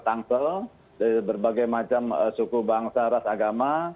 tangsel dari berbagai macam suku bangsa ras agama